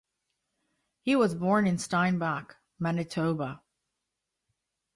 He was born in Steinbach, Manitoba.